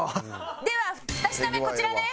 では２品目こちらです！